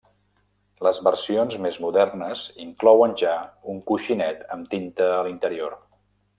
Les versions més modernes inclouen ja un coixinet amb tinta a l'interior.